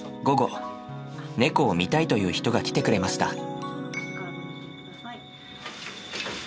午後猫を見たいという人が来てくれました。